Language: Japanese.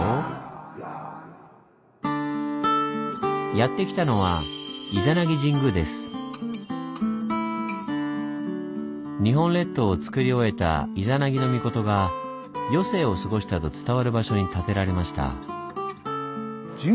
やって来たのは日本列島をつくり終えた伊弉諾尊が余生を過ごしたと伝わる場所に建てられました。